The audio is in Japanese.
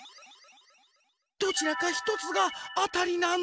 どちらかひとつがあたりなの。